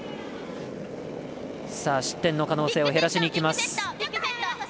失点の可能性を減らしにいきます。